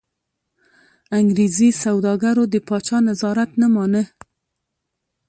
انګرېزي سوداګرو د پاچا نظارت نه مانه.